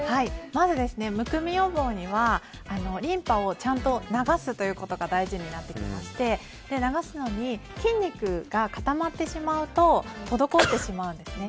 まず、むくみ予防にはリンパをちゃんと流すことが大事になってきまして流すのに筋肉が固まってしまうと滞ってしまうんですね。